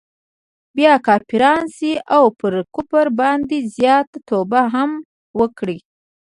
بیا کافران سي او پر کفر باندي زیات توب هم وکړي.